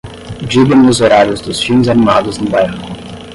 Diga-me os horários dos filmes animados no bairro.